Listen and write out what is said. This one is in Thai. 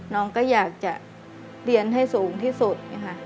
น้องก็อยากจะเรียนให้สูงที่สุด